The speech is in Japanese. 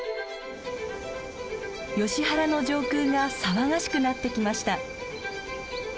ヨシ原の上空が騒がしくなってきました。